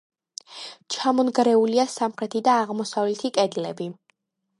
ჩამონგრეულია სამხრეთი და აღმოსავლეთი კედლები.